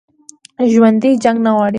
ژوندي جنګ نه غواړي